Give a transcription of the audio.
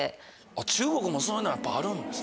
中国もそういうのあるんですね。